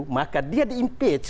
maka dia di impeach